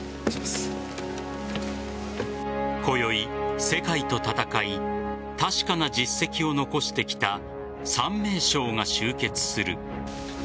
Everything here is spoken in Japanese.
今宵、世界と戦い確かな実績を残してきた３名将が集結する。